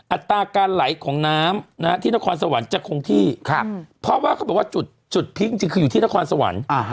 อัตราการไหลของน้ำที่นครสวรรค์จะคงที่เพราะว่าเขาบอกว่าจุดพลิกจริงคืออยู่ที่นครสวรรค์